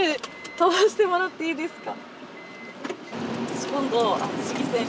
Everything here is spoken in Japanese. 飛ばしてもらっていいですか。